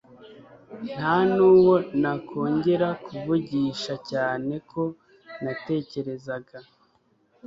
ntanuwo nakongera kuvugisha cyane ko natekerezaga